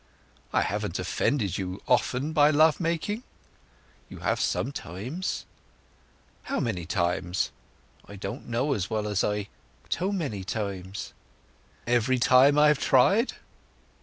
"I haven't offended you often by love making?" "You have sometimes." "How many times?" "You know as well as I—too many times." "Every time I have tried?"